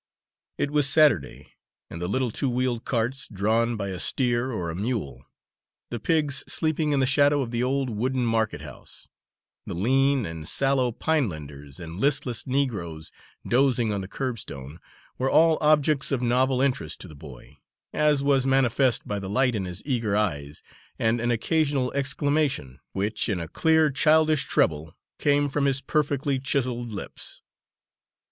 It was Saturday, and the little two wheeled carts, drawn by a steer or a mule; the pigs sleeping in the shadow of the old wooden market house; the lean and sallow pinelanders and listless negroes dozing on the curbstone, were all objects of novel interest to the boy, as was manifest by the light in his eager eyes and an occasional exclamation, which in a clear childish treble, came from his perfectly chiselled lips.